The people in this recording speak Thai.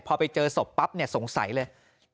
พอไปเจอศพปั๊บเนี่ยสงสัยเลย